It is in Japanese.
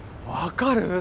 分かる？